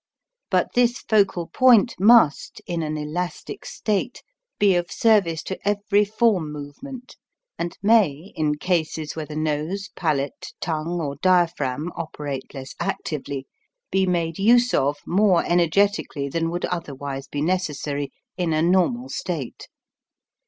But this focal point must, in an elastic state, be of service to every form movement and may in cases where the nose, palate, tongue, or diaphragm operate less actively, be made use of more energetically than would otherwise be necessary in a normal state.